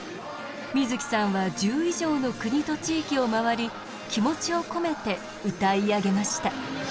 水木さんは１０以上の国と地域を回り気持ちを込めて歌い上げました。